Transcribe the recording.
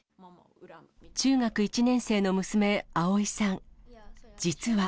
中学１年生の娘、あおいさん。